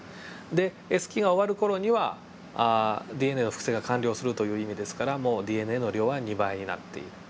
でＳ期が終わる頃にはＤＮＡの複製が完了するという意味ですからもうＤＮＡの量は２倍になっている。